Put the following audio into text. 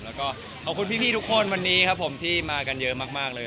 แล้วก็ขอบคุณพี่ทุกคนวันนี้ครับผมที่มากันเยอะมากเลย